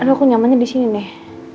aduh aku nyamannya disini nih